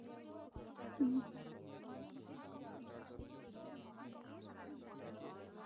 Trinidad বনাম বার্বাডোসের মধ্যকার খেলার পরিচালনা করেছিলেন তিনি।